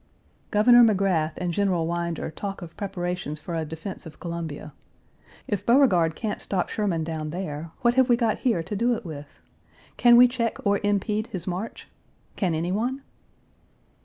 Governor McGrath and General Winder talk of preparations for a defense of Columbia. If Beauregard can't stop Sherman down there, what have we got here to do it with? Can we cheek or impede his march? Can any one?